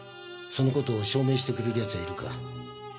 その事を証明してくれる奴はいるか？